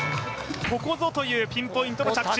ここぞというピンポイントの着地。